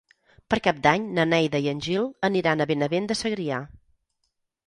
Per Cap d'Any na Neida i en Gil aniran a Benavent de Segrià.